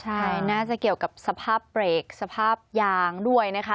ใช่น่าจะเกี่ยวกับสภาพเบรกสภาพยางด้วยนะคะ